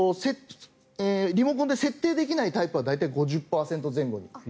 リモコンで設定できないタイプは大体５０％前後。